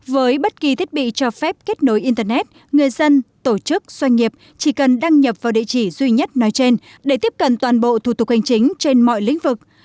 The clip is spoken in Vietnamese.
với bất kỳ thiết bị cho phép kết nối internet người dân tổ chức doanh nghiệp chỉ cần đăng nhập vào địa chỉ duy nhất nói trên để tiếp cận toàn bộ thủ tục hành chính trên mọi lĩnh vực